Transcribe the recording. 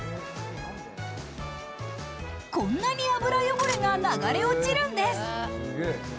こんなに油汚れが流れ落ちるんです。